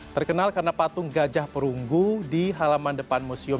terkenal karena patung gajah perunggu di halaman depan museum